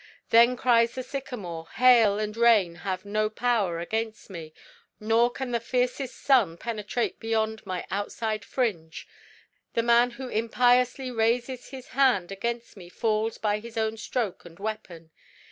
"Then cries the sycamore, 'Hail and rain have no power against me, nor can the fiercest sun penetrate beyond my outside fringe; "'The man who impiously raises his hand against me falls by his own stroke and weapon.